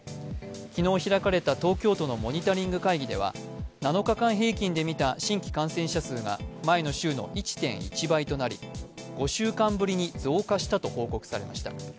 昨日開かれた東京都のモニタリング会議では７日間平均で見た新規感染者数が前の週の１．１倍となり、５週間ぶりに増加したと報告されました。